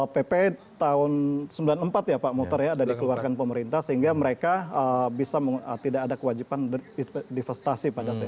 pp tahun seribu sembilan ratus sembilan puluh empat ya pak mutar ya ada dikeluarkan pemerintah sehingga mereka bisa tidak ada kewajiban divestasi pada saya